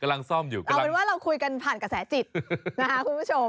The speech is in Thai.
กำลังซ่อมอยู่กันเอาเป็นว่าเราคุยกันผ่านกระแสจิตนะคะคุณผู้ชม